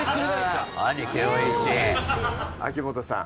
秋元さん